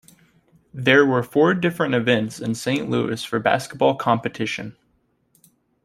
There were four different events in Saint Louis for basketball competition.